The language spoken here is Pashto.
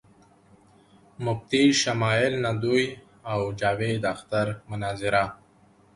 مفتی شمائل ندوي او جاوید اختر مناظره